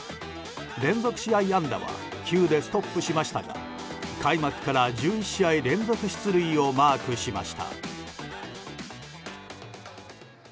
連続試合安打は９でストップしましたが開幕から１１試合連続出塁をマークしました。